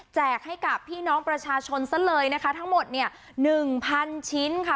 ให้กับพี่น้องประชาชนซะเลยนะคะทั้งหมดเนี่ยหนึ่งพันชิ้นค่ะ